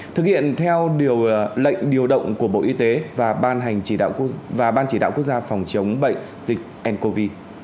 thực hiện theo lệnh điều động của bộ y tế và ban chỉ đạo quốc gia phòng chống bệnh dịch ncov